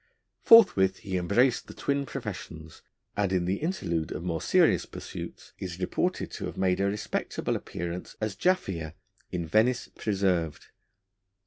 Forthwith he embraced the twin professions, and in the interlude of more serious pursuits is reported to have made a respectable appearance as Jaffier in Venice Preserved.